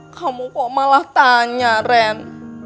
kamu kok malah tanya ren